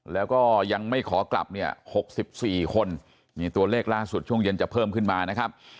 แล้วก็ยังไม่ขอกลับเนี่ย๖๔คนนี่ตัวเลขล่าสุดช่วงเย็นจะเพิ่มขึ้นมานะครับ